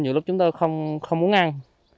nhiều lúc chúng tôi không uống ăn